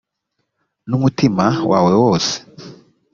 n umutima wawe wose